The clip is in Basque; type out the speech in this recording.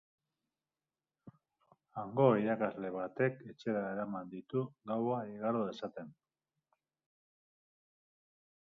Hango irakasle batek etxera eraman ditu, gaua igaro zezaten.